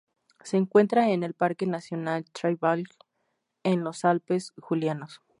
Se encuentra en el parque nacional Triglav en los Alpes Julianos.